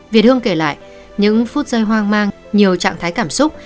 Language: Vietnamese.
việt hương kể lại những phút giây hoang mang nhiều trạng thái cảm xúc